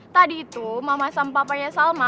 tadi itu mama sama papanya salma